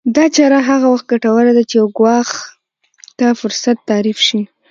دا چاره هغه وخت ګټوره ده چې يو ګواښ ته فرصت تعريف شي.